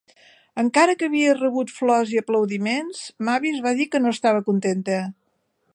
Encara que havia rebut flors i aplaudiments, Mavis va dir que no estava contenta.